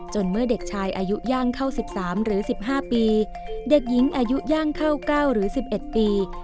เมื่อเด็กชายอายุย่างเข้า๑๓หรือ๑๕ปีเด็กหญิงอายุย่างเข้า๙หรือ๑๑ปี